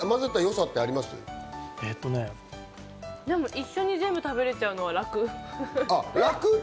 一緒に全部食べられちゃうのが楽。